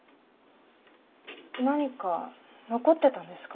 何か残ってたんですか？